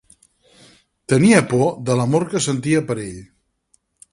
Tenia por de l'amor que ella sentia per ell.